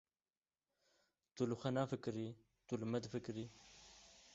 Tu li xwe nafikirî, tu li me difikirî.